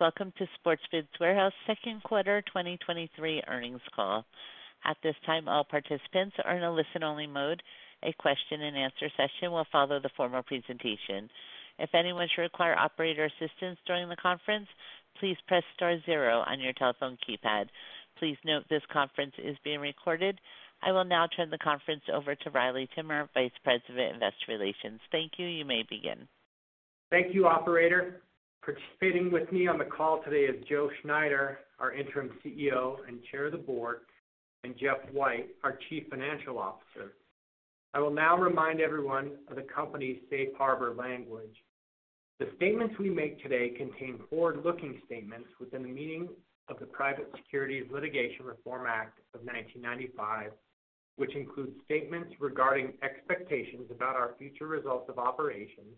Welcome to Sportsman's Warehouse second quarter 2023 earnings call. At this time, all participants are in a listen-only mode. A question-and-answer session will follow the formal presentation. If anyone should require operator assistance during the conference, please press star zero on your telephone keypad. Please note this conference is being recorded. I will now turn the conference over to Riley Timmer, Vice President of Investor Relations. Thank you. You may begin. Thank you, operator. Participating with me on the call today is Joe Schneider, our interim CEO and Chair of the Board, and Jeff White, our Chief Financial Officer. I will now remind everyone of the company's safe harbor language. The statements we make today contain forward-looking statements within the meaning of the Private Securities Litigation Reform Act of 1995, which includes statements regarding expectations about our future results of operations,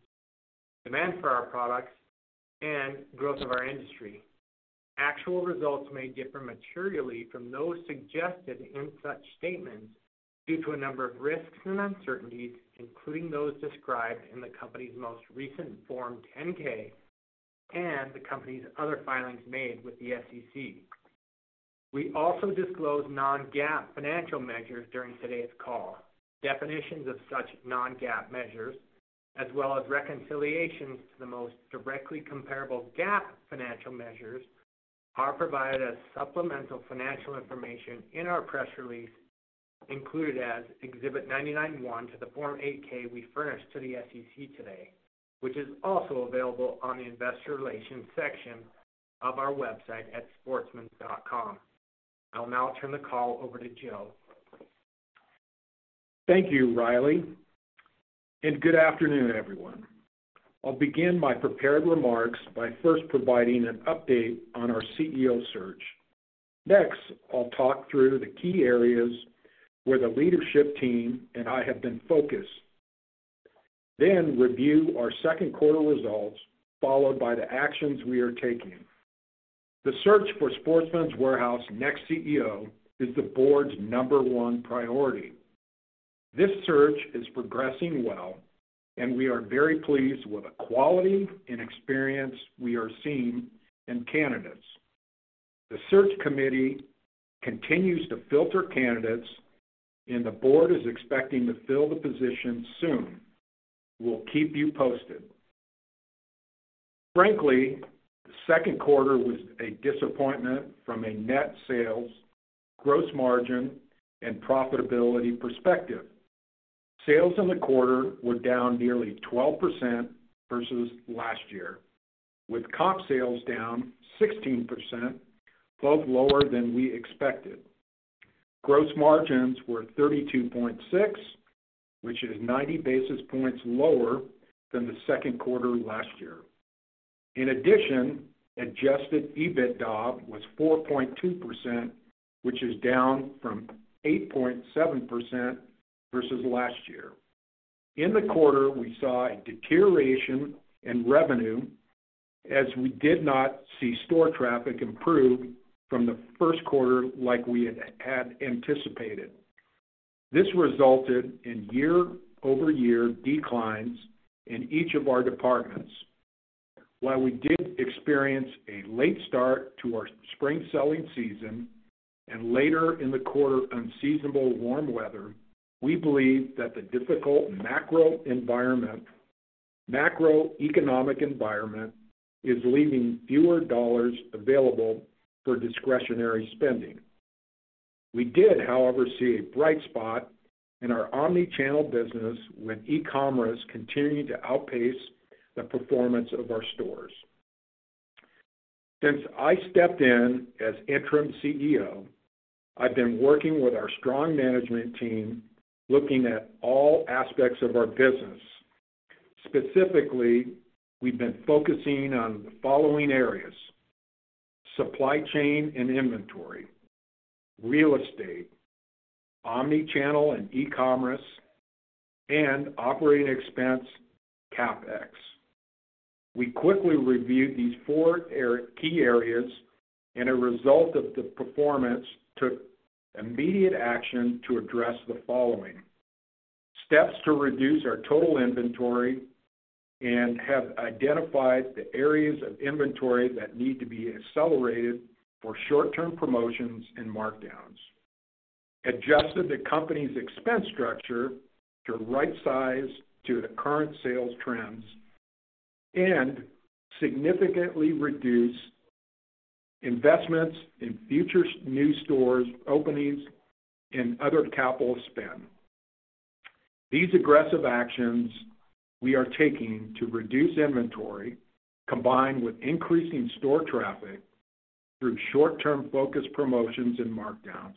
demand for our products, and growth of our industry. Actual results may differ materially from those suggested in such statements due to a number of risks and uncertainties, including those described in the company's most recent Form 10-K and the company's other filings made with the SEC. We also disclose non-GAAP financial measures during today's call. Definitions of such non-GAAP measures, as well as reconciliations to the most directly comparable GAAP financial measures, are provided as supplemental financial information in our press release, included as Exhibit 99.1 to the Form 8-K we furnished to the SEC today, which is also available on the Investor Relations section of our website at sportsmans.com. I'll now turn the call over to Joe. Thank you, Riley, and good afternoon, everyone. I'll begin my prepared remarks by first providing an update on our CEO search. Next, I'll talk through the key areas where the leadership team and I have been focused. Then review our second quarter results, followed by the actions we are taking. The search for Sportsman's Warehouse's next CEO is the board's number one priority. This search is progressing well, and we are very pleased with the quality and experience we are seeing in candidates. The search committee continues to filter candidates, and the board is expecting to fill the position soon. We'll keep you posted. Frankly, the second quarter was a disappointment from a net sales, gross margin, and profitability perspective. Sales in the quarter were down nearly 12% versus last year, with comp sales down 16%, both lower than we expected. Gross margins were 32.6, which is 90 basis points lower than the second quarter last year. In addition, Adjusted EBITDA was 4.2%, which is down from 8.7% versus last year. In the quarter, we saw a deterioration in revenue as we did not see store traffic improve from the first quarter like we had anticipated. This resulted in year-over-year declines in each of our departments. While we did experience a late start to our spring selling season and later in the quarter, unseasonable warm weather, we believe that the difficult macroeconomic environment is leaving fewer dollars available for discretionary spending. We did, however, see a bright spot in our omni-channel business, when e-commerce continued to outpace the performance of our stores. Since I stepped in as interim CEO, I've been working with our strong management team, looking at all aspects of our business. Specifically, we've been focusing on the following areas: supply chain and inventory, real estate, omni-channel and e-commerce, and operating expense CapEx. We quickly reviewed these four key areas and, as a result of the performance, took immediate action to address the following: steps to reduce our total inventory and have identified the areas of inventory that need to be accelerated for short-term promotions and markdowns. Adjusted the company's expense structure to right size to the current sales trends and significantly reduce investments in future new stores, openings, and other capital spend. These aggressive actions we are taking to reduce inventory, combined with increasing store traffic through short-term focused promotions and markdowns,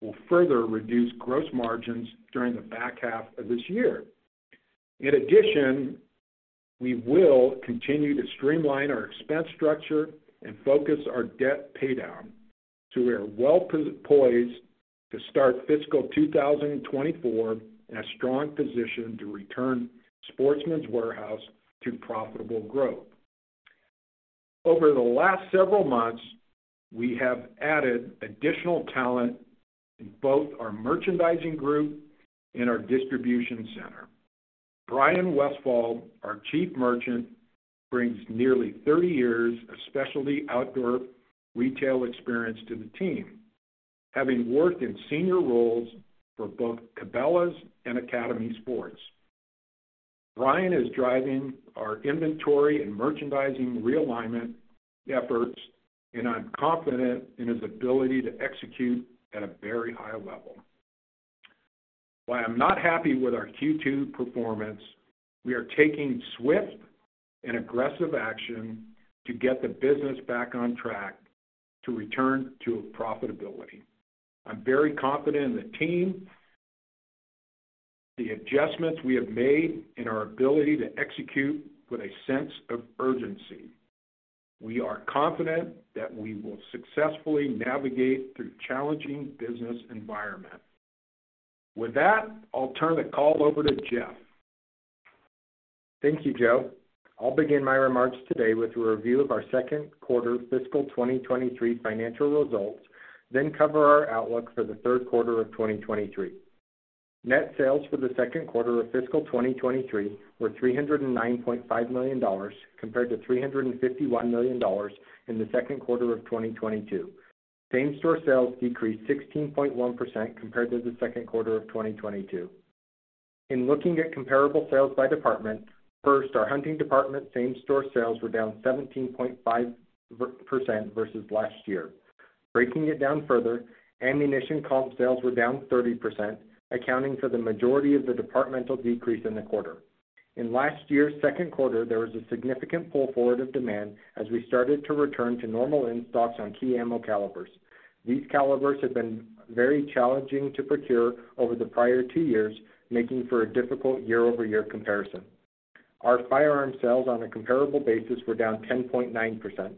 will further reduce gross margins during the back half of this year. In addition, we will continue to streamline our expense structure and focus our debt paydown, so we are well poised to start fiscal 2024 in a strong position to return Sportsman's Warehouse to profitable growth. Over the last several months, we have added additional talent in both our merchandising group and our distribution center.... Bryn Westfall, our Chief Merchant, brings nearly 30 years of specialty outdoor retail experience to the team, having worked in senior roles for both Cabela's and Academy Sports. Brian is driving our inventory and merchandising realignment efforts, and I'm confident in his ability to execute at a very high level. While I'm not happy with our Q2 performance, we are taking swift and aggressive action to get the business back on track to return to profitability. I'm very confident in the team, the adjustments we have made, and our ability to execute with a sense of urgency. We are confident that we will successfully navigate through challenging business environment. With that, I'll turn the call over to Jeff. Thank you, Joe. I'll begin my remarks today with a review of our second quarter fiscal 2023 financial results, then cover our outlook for the third quarter of 2023. Net sales for the second quarter of fiscal 2023 were $309.5 million, compared to $351 million in the second quarter of 2022. Same-store sales decreased 16.1% compared to the second quarter of 2022. In looking at comparable sales by department, first, our hunting department same-store sales were down 17.5% versus last year. Breaking it down further, ammunition comp sales were down 30%, accounting for the majority of the departmental decrease in the quarter. In last year's second quarter, there was a significant pull forward of demand as we started to return to normal in-stocks on key ammo calibers. These calibers have been very challenging to procure over the prior two years, making for a difficult year-over-year comparison. Our firearm sales on a comparable basis were down 10.9%.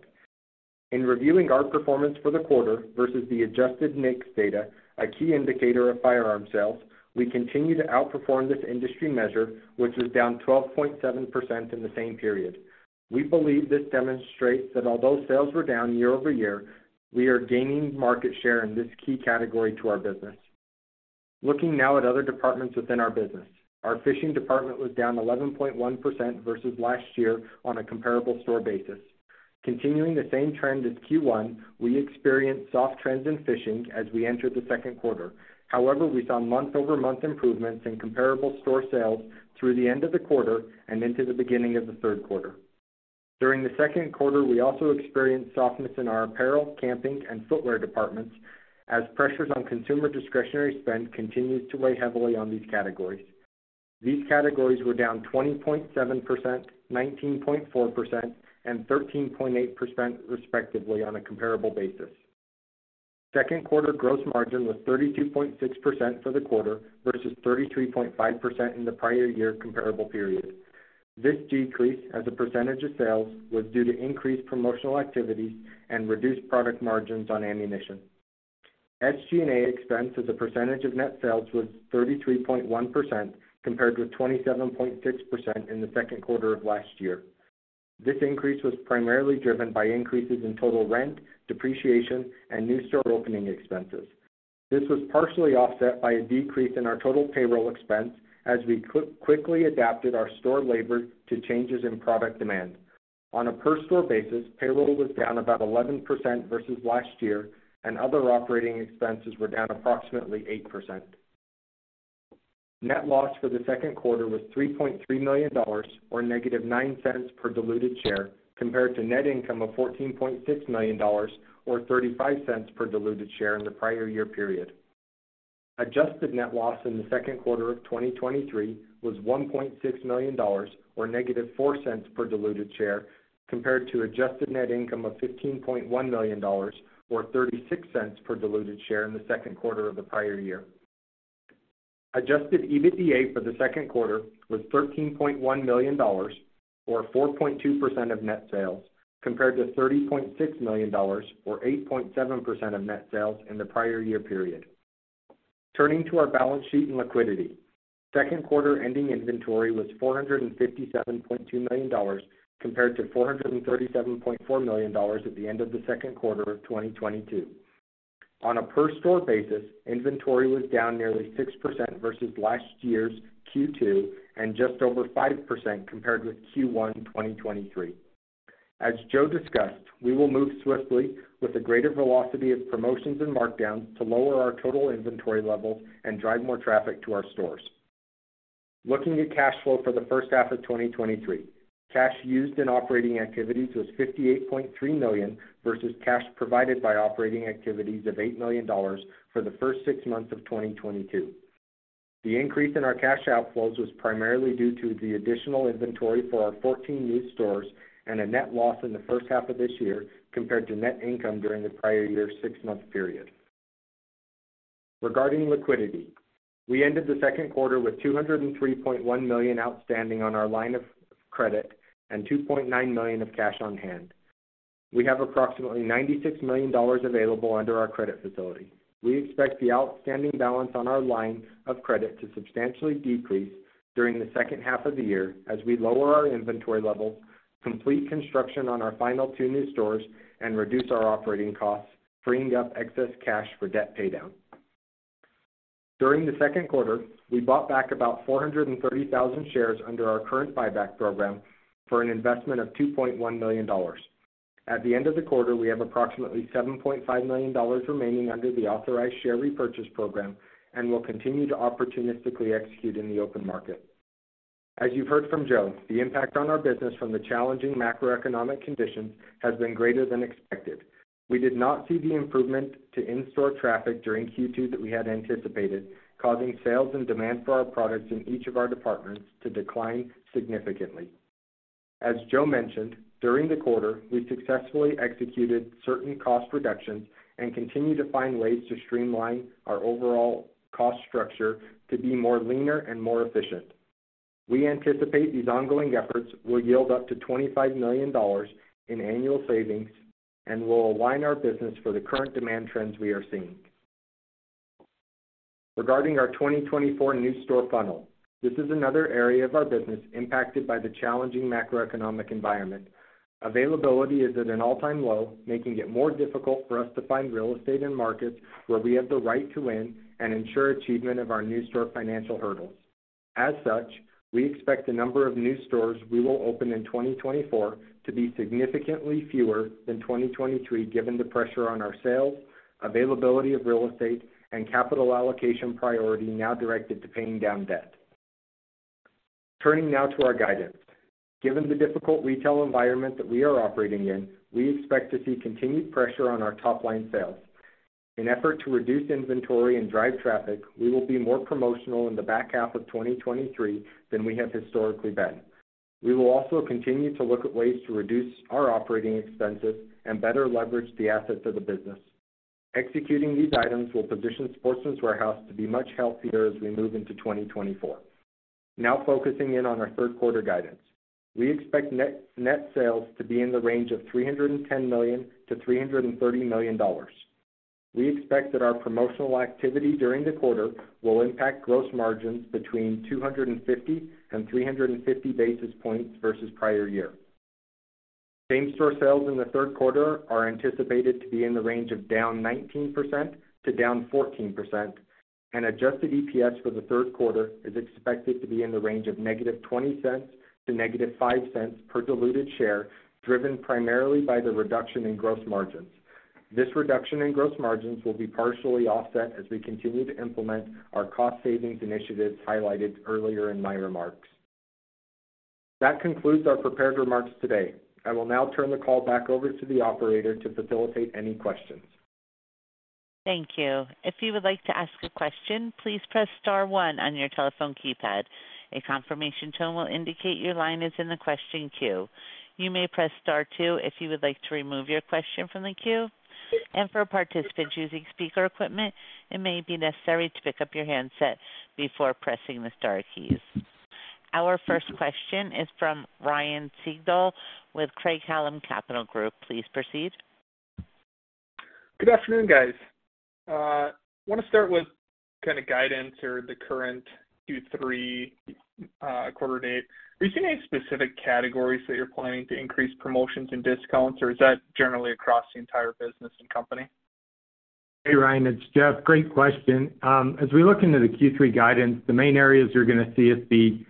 In reviewing our performance for the quarter versus the adjusted NICS data, a key indicator of firearm sales, we continue to outperform this industry measure, which is down 12.7% in the same period. We believe this demonstrates that although sales were down year over year, we are gaining market share in this key category to our business. Looking now at other departments within our business. Our fishing department was down 11.1% versus last year on a comparable store basis. Continuing the same trend as Q1, we experienced soft trends in fishing as we entered the second quarter. However, we saw month-over-month improvements in comparable store sales through the end of the quarter and into the beginning of the third quarter. During the second quarter, we also experienced softness in our apparel, camping, and footwear departments, as pressures on consumer discretionary spend continues to weigh heavily on these categories. These categories were down 20.7%, 19.4%, and 13.8%, respectively, on a comparable basis. Second quarter gross margin was 32.6% for the quarter, versus 33.5% in the prior year comparable period. This decrease as a percentage of sales, was due to increased promotional activities and reduced product margins on ammunition. SG&A expense as a percentage of net sales was 33.1%, compared with 27.6% in the second quarter of last year. This increase was primarily driven by increases in total rent, depreciation, and new store opening expenses. This was partially offset by a decrease in our total payroll expense, as we quickly adapted our store labor to changes in product demand. On a per store basis, payroll was down about 11% versus last year, and other operating expenses were down approximately 8%. Net loss for the second quarter was $3.3 million, or -9 cents per diluted share, compared to net income of $14.6 million, or 35 cents per diluted share in the prior year period. Adjusted net loss in the second quarter of 2023 was $1.6 million, or -$0.04 per diluted share, compared to adjusted net income of $15.1 million, or $0.36 per diluted share in the second quarter of the prior year. Adjusted EBITDA for the second quarter was $13.1 million, or 4.2% of net sales, compared to $30.6 million, or 8.7% of net sales in the prior year period. Turning to our balance sheet and liquidity. Second quarter ending inventory was $457.2 million, compared to $437.4 million at the end of the second quarter of 2022. On a per store basis, inventory was down nearly 6% versus last year's Q2, and just over 5% compared with Q1 2023. As Joe discussed, we will move swiftly with a greater velocity of promotions and markdowns to lower our total inventory levels and drive more traffic to our stores. Looking at cash flow for the first half of 2023: Cash used in operating activities was $58.3 million, versus cash provided by operating activities of $8 million for the first six months of 2022. The increase in our cash outflows was primarily due to the additional inventory for our 14 new stores and a net loss in the first half of this year, compared to net income during the prior year's six-month period. Regarding liquidity, we ended the second quarter with $203.1 million outstanding on our line of credit and $2.9 million of cash on hand. We have approximately $96 million available under our credit facility. We expect the outstanding balance on our line of credit to substantially decrease during the second half of the year as we lower our inventory levels, complete construction on our final two new stores, and reduce our operating costs, freeing up excess cash for debt paydown. During the second quarter, we bought back about 430,000 shares under our current buyback program for an investment of $2.1 million. At the end of the quarter, we have approximately $7.5 million remaining under the authorized share repurchase program and will continue to opportunistically execute in the open market. As you've heard from Joe, the impact on our business from the challenging macroeconomic conditions has been greater than expected. We did not see the improvement to in-store traffic during Q2 that we had anticipated, causing sales and demand for our products in each of our departments to decline significantly. As Joe mentioned, during the quarter, we successfully executed certain cost reductions and continue to find ways to streamline our overall cost structure to be more leaner and more efficient. We anticipate these ongoing efforts will yield up to $25 million in annual savings and will align our business for the current demand trends we are seeing. Regarding our 2024 new store funnel, this is another area of our business impacted by the challenging macroeconomic environment. Availability is at an all-time low, making it more difficult for us to find real estate and markets where we have the right to win and ensure achievement of our new store financial hurdles. As such, we expect the number of new stores we will open in 2024 to be significantly fewer than 2023, given the pressure on our sales, availability of real estate, and capital allocation priority now directed to paying down debt. Turning now to our guidance. Given the difficult retail environment that we are operating in, we expect to see continued pressure on our top-line sales. In an effort to reduce inventory and drive traffic, we will be more promotional in the back half of 2023 than we have historically been. We will also continue to look at ways to reduce our operating expenses and better leverage the assets of the business. Executing these items will position Sportsman's Warehouse to be much healthier as we move into 2024. Now focusing in on our third quarter guidance. We expect net, net sales to be in the range of $310 million-$330 million. We expect that our promotional activity during the quarter will impact gross margins between 250 and 350 basis points versus prior year. Same-store sales in the third quarter are anticipated to be in the range of down 19% to down 14%, and adjusted EPS for the third quarter is expected to be in the range of -$0.20 to -$0.05 per diluted share, driven primarily by the reduction in gross margins. This reduction in gross margins will be partially offset as we continue to implement our cost savings initiatives highlighted earlier in my remarks. That concludes our prepared remarks today. I will now turn the call back over to the operator to facilitate any questions. Thank you. If you would like to ask a question, please press star one on your telephone keypad. A confirmation tone will indicate your line is in the question queue. You may press star two if you would like to remove your question from the queue. And for participants using speaker equipment, it may be necessary to pick up your handset before pressing the star keys. Our first question is from Ryan Sigdahl with Craig-Hallum Capital Group. Please proceed. Good afternoon, guys. I want to start with kind of guidance or the current Q3 quarter to date. Are you seeing any specific categories that you're planning to increase promotions and discounts, or is that generally across the entire business and company? Hey, Ryan, it's Jeff. Great question. As we look into the Q3 guidance, the main areas you're gonna see is the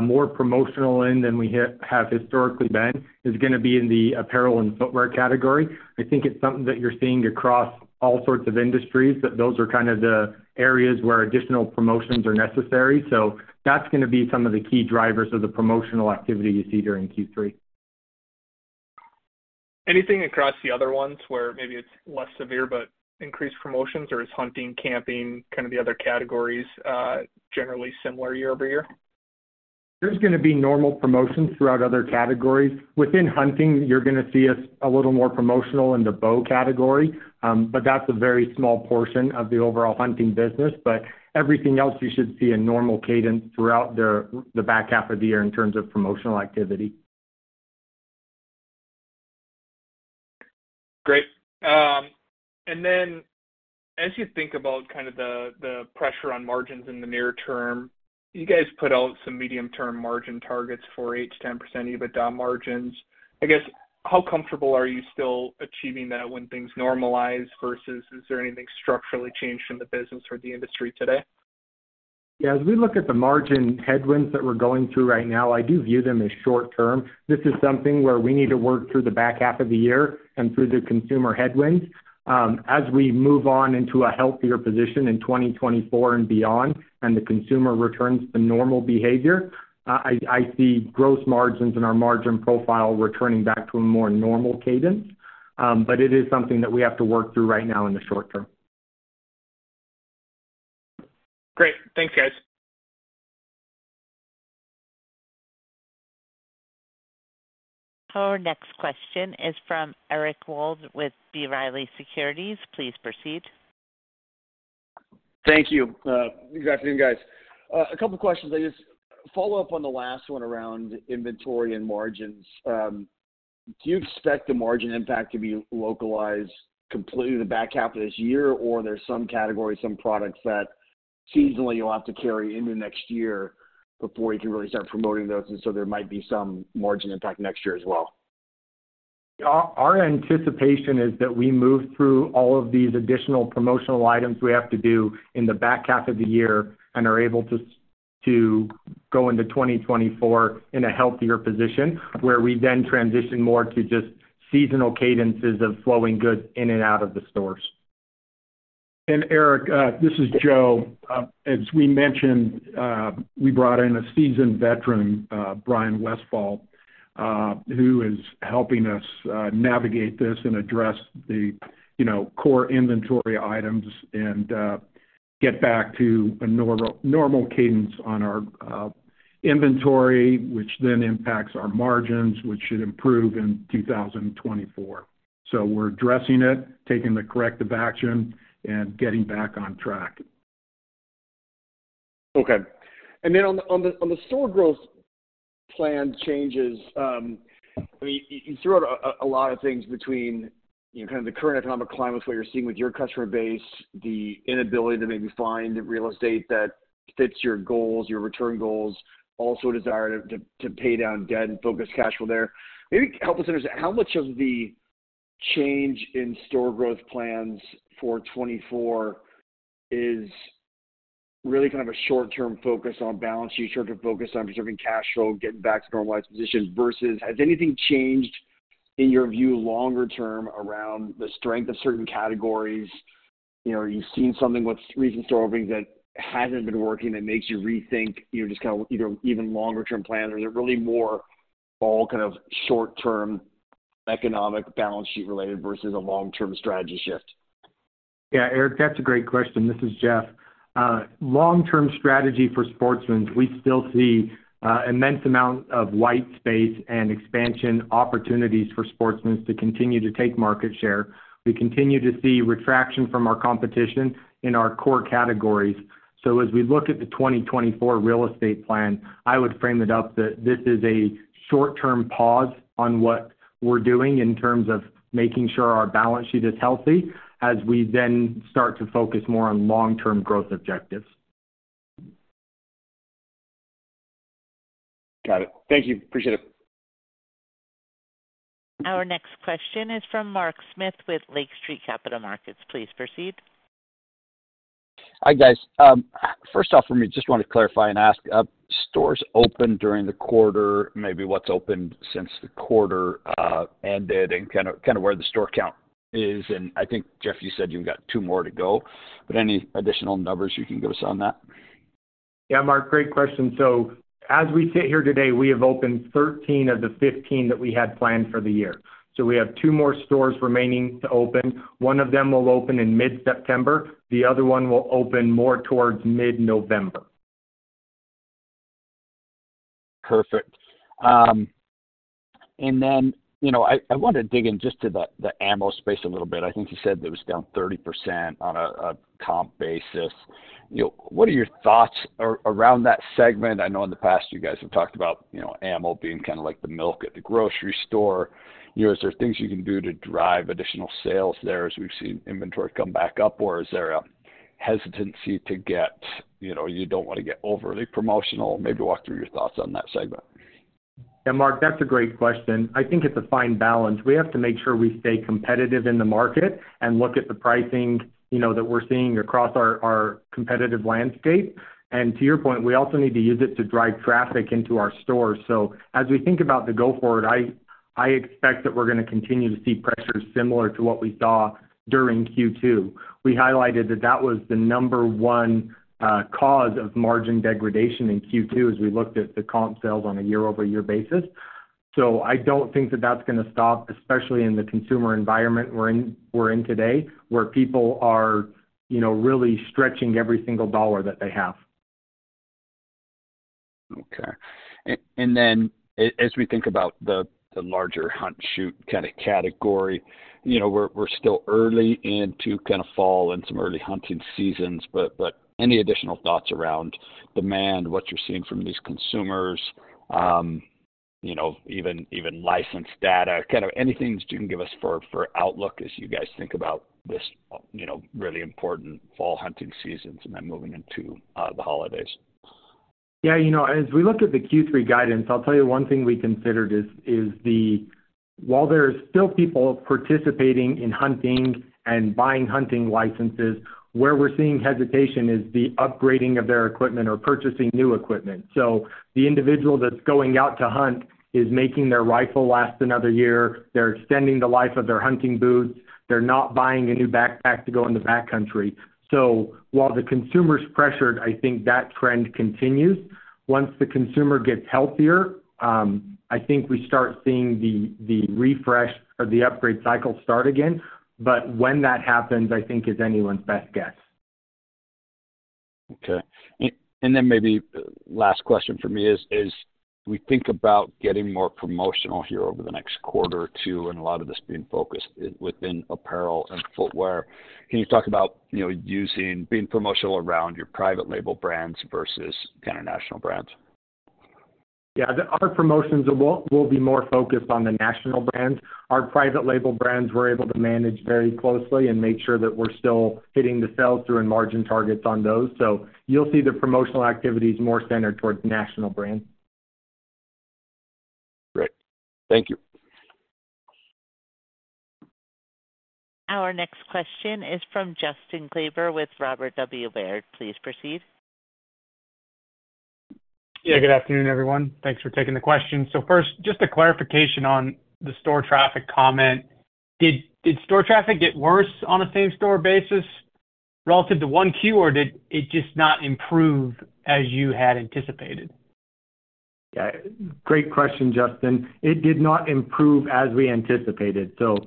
more promotional end than we have historically been, is gonna be in the apparel and footwear category. I think it's something that you're seeing across all sorts of industries, that those are kind of the areas where additional promotions are necessary. So that's gonna be some of the key drivers of the promotional activity you see during Q3. Anything across the other ones where maybe it's less severe but increased promotions, or is hunting, camping, kind of the other categories, generally similar year over year? There's gonna be normal promotions throughout other categories. Within hunting, you're gonna see us a little more promotional in the bow category, but that's a very small portion of the overall hunting business. But everything else, you should see a normal cadence throughout the back half of the year in terms of promotional activity. Great. Then as you think about kind of the pressure on margins in the near term, you guys put out some medium-term margin targets for 8%-10% EBITDA margins. I guess, how comfortable are you still achieving that when things normalize, versus is there anything structurally changed in the business or the industry today? Yeah, as we look at the margin headwinds that we're going through right now, I do view them as short term. This is something where we need to work through the back half of the year and through the consumer headwinds. As we move on into a healthier position in 2024 and beyond, and the consumer returns to normal behavior, I see gross margins and our margin profile returning back to a more normal cadence. But it is something that we have to work through right now in the short term. Great. Thanks, guys. Our next question is from Eric Wold with B. Riley Securities. Please proceed. Thank you. Good afternoon, guys. A couple questions. I just follow up on the last one around inventory and margins. Do you expect the margin impact to be localized completely the back half of this year, or there's some categories, some products that seasonally you'll have to carry into next year before you can really start promoting those, and so there might be some margin impact next year as well? Our anticipation is that we move through all of these additional promotional items we have to do in the back half of the year and are able to go into 2024 in a healthier position, where we then transition more to just seasonal cadences of flowing goods in and out of the stores. And Eric, this is Joe. As we mentioned, we brought in a seasoned veteran, Bryn Westfall, who is helping us navigate this and address the, you know, core inventory items and get back to a normal, normal cadence on our inventory, which then impacts our margins, which should improve in 2024. So we're addressing it, taking the corrective action, and getting back on track. Okay. And then on the store growth plan changes, I mean, you threw out a lot of things between, you know, kind of the current economic climate, what you're seeing with your customer base, the inability to maybe find real estate that fits your goals, your return goals, also a desire to pay down debt and focus cash flow there. Maybe help us understand, how much of the change in store growth plans for 2024 is really kind of a short-term focus on balance sheet, short-term focus on preserving cash flow, getting back to normalized positions? Versus has anything changed, in your view, longer term, around the strength of certain categories? You know, are you seeing something with recent store openings that hasn't been working, that makes you rethink, you know, just kind of, you know, even longer term plans? Or is it really more all kind of short-term, economic, balance-sheet-related versus a long-term strategy shift? Yeah, Eric, that's a great question. This is Jeff. Long-term strategy for Sportsman's, we still see immense amount of white space and expansion opportunities for Sportsman's to continue to take market share. We continue to see retraction from our competition in our core categories. So as we look at the 2024 real estate plan, I would frame it up that this is a short-term pause on what we're doing in terms of making sure our balance sheet is healthy, as we then start to focus more on long-term growth objectives. Got it. Thank you. Appreciate it. Our next question is from Mark Smith with Lake Street Capital Markets. Please proceed. Hi, guys. First off, for me, just want to clarify and ask, stores open during the quarter, maybe what's opened since the quarter ended, and kind of where the store count is, and I think, Jeff, you said you've got 2 more to go, but any additional numbers you can give us on that? Yeah, Mark, great question. So as we sit here today, we have opened 13 of the 15 that we had planned for the year. So we have two more stores remaining to open. One of them will open in mid-September, the other one will open more towards mid-November. Perfect. And then, you know, I want to dig in just to the ammo space a little bit. I think you said it was down 30% on a comp basis. You know, what are your thoughts around that segment? I know in the past you guys have talked about, you know, ammo being kind of like the milk at the grocery store. You know, is there things you can do to drive additional sales there, as we've seen inventory come back up? Or is there a hesitancy to get... You know, you don't want to get overly promotional. Maybe walk through your thoughts on that segment. Yeah, Mark, that's a great question. I think it's a fine balance. We have to make sure we stay competitive in the market and look at the pricing, you know, that we're seeing across our competitive landscape. And to your point, we also need to use it to drive traffic into our stores. So as we think about the go forward, I expect that we're going to continue to see pressures similar to what we saw during Q2. We highlighted that that was the number one cause of margin degradation in Q2, as we looked at the comp sales on a year-over-year basis. So I don't think that that's going to stop, especially in the consumer environment we're in today, where people are, you know, really stretching every single dollar that they have. Okay. And then as we think about the larger hunt, shoot, kind of, category, you know, we're still early into kind of fall and some early hunting seasons, but any additional thoughts around demand, what you're seeing from these consumers? You know, even license data, kind of anything you can give us for outlook as you guys think about this, you know, really important fall hunting seasons and then moving into the holidays. Yeah, you know, as we looked at the Q3 guidance, I'll tell you one thing we considered is the while there are still people participating in hunting and buying hunting licenses, where we're seeing hesitation is the upgrading of their equipment or purchasing new equipment. So the individual that's going out to hunt is making their rifle last another year. They're extending the life of their hunting boots. They're not buying a new backpack to go in the backcountry. So while the consumer's pressured, I think that trend continues. Once the consumer gets healthier, I think we start seeing the refresh or the upgrade cycle start again, but when that happens, I think is anyone's best guess. Okay. And then maybe last question for me is we think about getting more promotional here over the next quarter or two, and a lot of this being focused within apparel and footwear. Can you talk about, you know, using, being promotional around your private label brands versus kind of national brands? Yeah. Our promotions will be more focused on the national brands. Our private label brands, we're able to manage very closely and make sure that we're still hitting the sales through and margin targets on those. So you'll see the promotional activities more centered towards national brands. Great. Thank you. Our next question is from Justin Kleber with Robert W. Baird. Please proceed. Yeah, good afternoon, everyone. Thanks for taking the question. So first, just a clarification on the store traffic comment. Did store traffic get worse on a same-store basis relative to 1Q, or did it just not improve as you had anticipated? Yeah. Great question, Justin. It did not improve as we anticipated. So,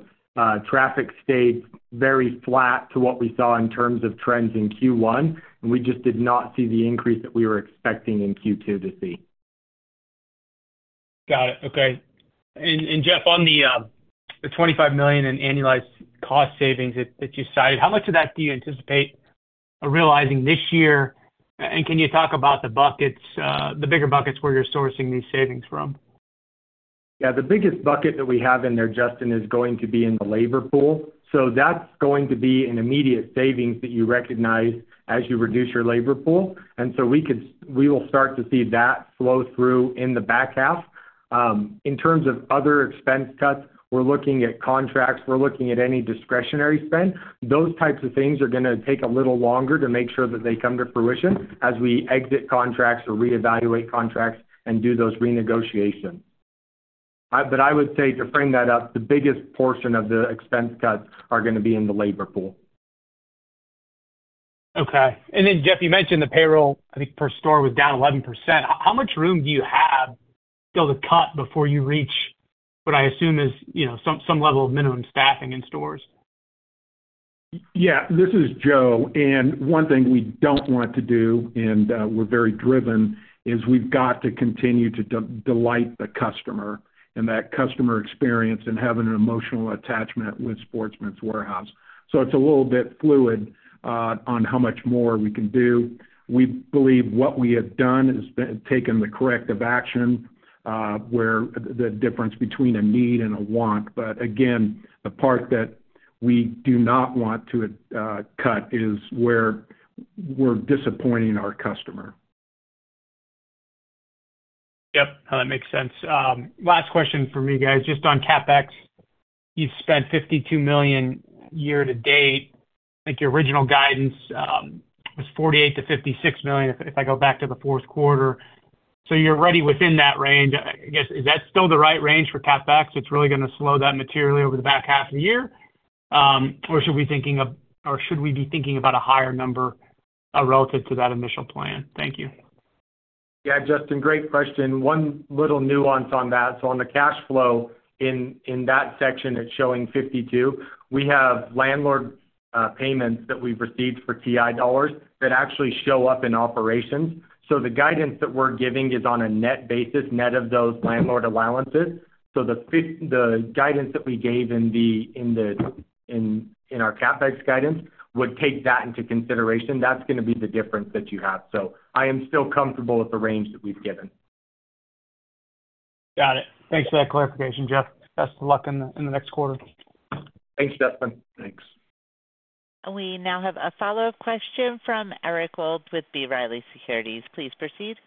traffic stayed very flat to what we saw in terms of trends in Q1, and we just did not see the increase that we were expecting in Q2 to see. Got it. Okay. And, Jeff, on the $25 million in annualized cost savings that you cited, how much of that do you anticipate realizing this year? And can you talk about the buckets, the bigger buckets where you're sourcing these savings from? Yeah. The biggest bucket that we have in there, Justin, is going to be in the labor pool. So that's going to be an immediate savings that you recognize as you reduce your labor pool. We will start to see that flow through in the back half. In terms of other expense cuts, we're looking at contracts, we're looking at any discretionary spend. Those types of things are gonna take a little longer to make sure that they come to fruition as we exit contracts or reevaluate contracts and do those renegotiations. But I would say, to frame that up, the biggest portion of the expense cuts are gonna be in the labor pool. Okay. And then, Jeff, you mentioned the payroll, I think, per store was down 11%. How much room do you have still to cut before you reach, what I assume is, you know, some, some level of minimum staffing in stores? Yeah, this is Joe. One thing we don't want to do, and we're very driven, is we've got to continue to delight the customer, and that customer experience and having an emotional attachment with Sportsman's Warehouse. It's a little bit fluid on how much more we can do. We believe what we have done has been taken the corrective action, where the difference between a need and a want. Again, the part that we do not want to cut is where we're disappointing our customer. Yep, that makes sense. Last question for me, guys. Just on CapEx, you've spent $52 million year to date. I think your original guidance was $48 million-$56 million if I go back to the fourth quarter. So you're already within that range. I guess, is that still the right range for CapEx? It's really gonna slow down materially over the back half of the year, or should we be thinking about a higher number relative to that initial plan? Thank you. Yeah, Justin, great question. One little nuance on that. So on the cash flow, in that section, it's showing 52. We have landlord payments that we've received for TI dollars that actually show up in operations. So the guidance that we're giving is on a net basis, net of those landlord allowances. So the guidance that we gave in our CapEx guidance would take that into consideration. That's gonna be the difference that you have. So I am still comfortable with the range that we've given. Got it. Thanks for that clarification, Jeff. Best of luck in the next quarter. Thanks, Justin. Thanks. We now have a follow-up question from Eric Wold with B. Riley Securities. Please proceed.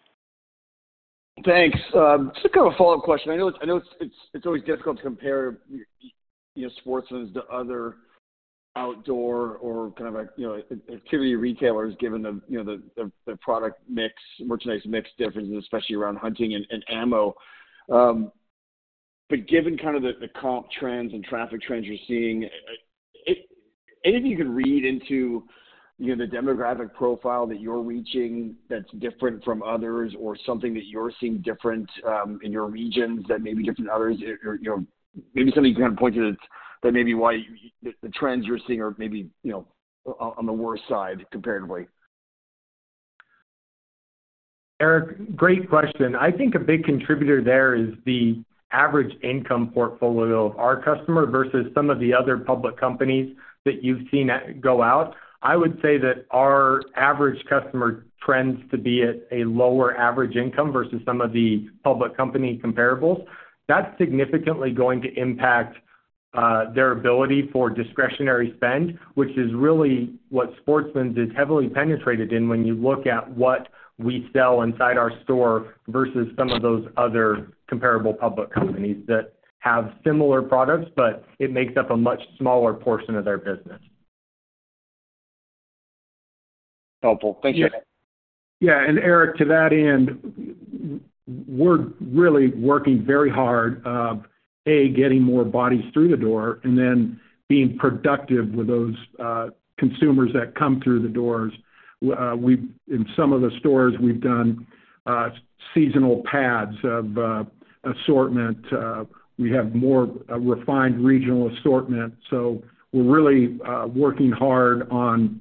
Thanks. Just kind of a follow-up question. I know it's always difficult to compare, you know, Sportsman's to other outdoor or kind of like, you know, activity retailers, given the, you know, the product mix, merchandise mix differences, especially around hunting and ammo. But given kind of the comp trends and traffic trends you're seeing, anything you can read into, you know, the demographic profile that you're reaching that's different from others or something that you're seeing different in your regions that may be different to others? Or, you know, maybe something you kind of pointed that may be why the trends you're seeing are maybe, you know, on the worst side comparatively? Eric, great question. I think a big contributor there is the average income portfolio of our customer versus some of the other public companies that you've seen go out. I would say that our average customer tends to be at a lower average income versus some of the public company comparables. That's significantly going to impact their ability for discretionary spend, which is really what Sportsman's is heavily penetrated in when you look at what we sell inside our store versus some of those other comparable public companies that have similar products, but it makes up a much smaller portion of their business. Helpful. Thank you. Yeah, and Eric, to that end, we're really working very hard, getting more bodies through the door, and then being productive with those, consumers that come through the doors. In some of the stores, we've done, seasonal pads of, assortment. We have more, refined regional assortment. So we're really, working hard on,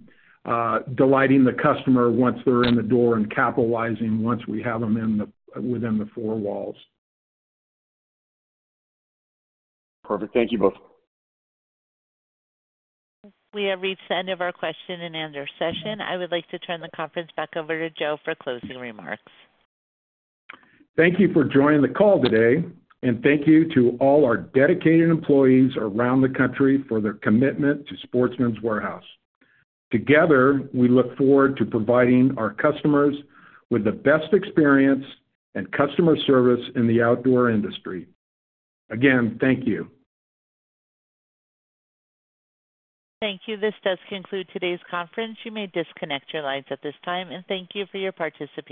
delighting the customer once they're in the door and capitalizing once we have them within the four walls. Perfect. Thank you both. We have reached the end of our question and answer session. I would like to turn the conference back over to Joe for closing remarks. Thank you for joining the call today, and thank you to all our dedicated employees around the country for their commitment to Sportsman's Warehouse. Together, we look forward to providing our customers with the best experience and customer service in the outdoor industry. Again, thank you. Thank you. This does conclude today's conference. You may disconnect your lines at this time, and thank you for your participation.